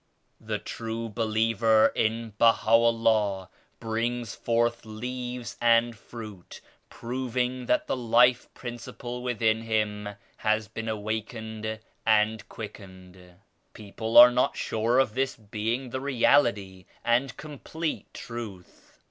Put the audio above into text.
The true believer in BahaVllah brings forth leaves and fruit proving that the life principle within him has been awakened and quickened. People are not sure of this being the Reality and complete Truth.